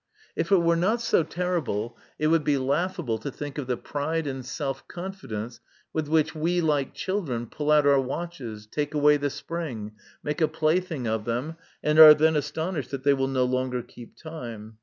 If it were not so terrible, it would be laugh able to think of the pride and self confidence with which we, like children, pull out our watches, take away the spring, make a plaything of them, and are then astonished that they will no longer keep time.